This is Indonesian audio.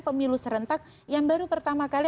pemilu serentak yang baru pertama kali